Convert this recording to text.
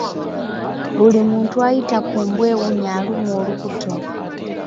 Buli muntu ayita ku mbwa ewunya alumwa olubuto.